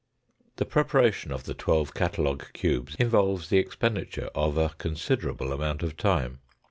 The preparation of the twelve catalogue cubes involves the expenditure of a considerable amount of time.